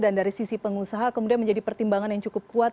dan dari sisi pengusaha kemudian menjadi pertimbangan yang cukup kuat